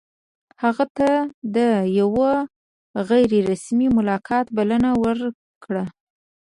هغه ته د یوه غیر رسمي ملاقات بلنه ورکړه.